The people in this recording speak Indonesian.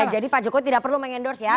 oke jadi pak jokowi tidak perlu mengendorse ya